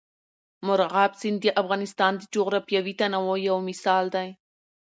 مورغاب سیند د افغانستان د جغرافیوي تنوع یو مثال دی.